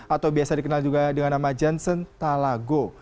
atau biasa dikenal juga dengan nama johnson talago